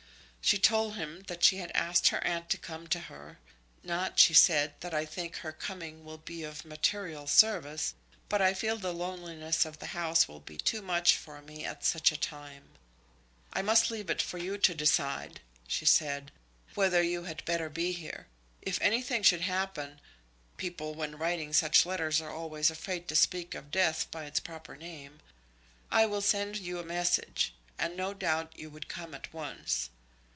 She told him that she had asked her aunt to come to her; "not," she said, "that I think her coming will be of material service, but I feel the loneliness of the house will be too much for me at such a time. I must leave it for you to decide," she said, "whether you had better be here. If anything should happen," people when writing such letters are always afraid to speak of death by its proper name, "I will send you a message, and no doubt you would come at once."